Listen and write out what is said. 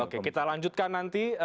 oke kita lanjutkan nanti